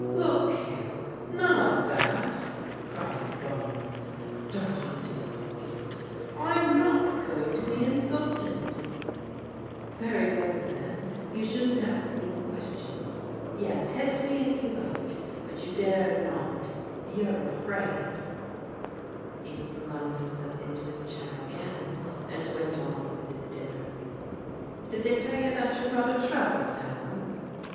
I '* Look here, none of that !" cried Barnes, starting to bis feet I'm not gom^ \o \>^ msoNXftftL!* \ THE HOME OF THE BARNES 297 it Ytry well, then, you shouldn't ask me questions. Yes, hit me if you like. But you dare not! You're afraid!" He flung himself into his chair again and went on with his dinner. " Did they tell you that your brother, Trev, was home?"